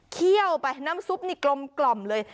เขี้ยวไปน้ำซุปเนี่ยกล่อมเลย